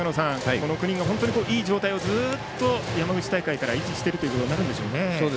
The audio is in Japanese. この９人が本当にいい状態をずっと山口大会から維持しているとなるんでしょうね。